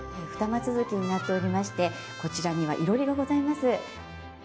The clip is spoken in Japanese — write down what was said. ２間続きとなっておりましてこちらには囲炉裏がございます。